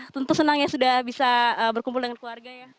tentu senang ya sudah bisa berkumpul dengan keluarga ya